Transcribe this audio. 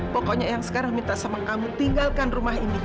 pokoknya sekarang saya minta kamu tinggalkan rumah ini